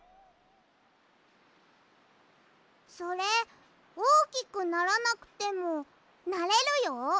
それおおきくならなくてもなれるよ。